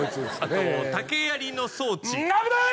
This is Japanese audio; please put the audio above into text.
あと竹やりの装置危ない！